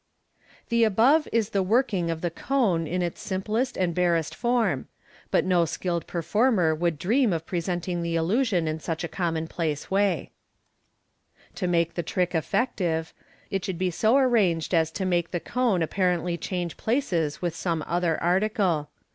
The above is the working of the " cone " in its simplest and barest form , but no skilled performer would dream of presenting the illusion m such a common place way To make the trick effective, it should be so arranged as to make the cone apparently change places with some other article.